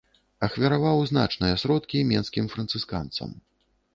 Ахвяраваў значныя сродкі менскім францысканцам.